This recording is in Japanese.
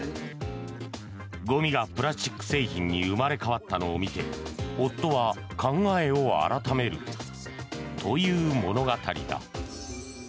ごみがプラスチック製品に生まれ変わったのを見て夫は考えを改めるという物語だ。